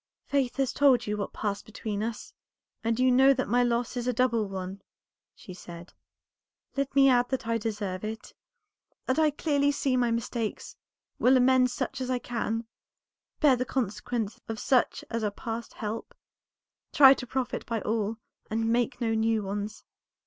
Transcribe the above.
"Faith has told you what has passed between us, and you know that my loss is a double one," she said. "Let me add that I deserve it, that I clearly see my mistakes, will amend such as I can, bear the consequences of such as are past help, try to profit by all, and make no new ones.